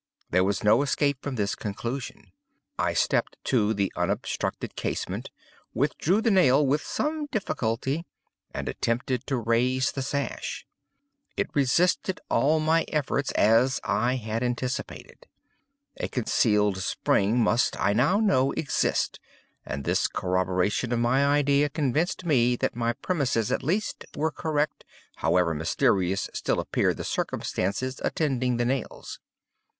There was no escape from this conclusion. I stepped to the unobstructed casement, withdrew the nail with some difficulty and attempted to raise the sash. It resisted all my efforts, as I had anticipated. A concealed spring must, I now know, exist; and this corroboration of my idea convinced me that my premises at least, were correct, however mysterious still appeared the circumstances attending the nails.